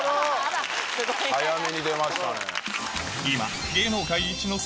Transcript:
早めに出ましたね。